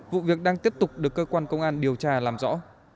vụ việc đang tiếp tục được cơ quan công an điều tra làm rõ